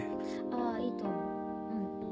あいいと思ううん。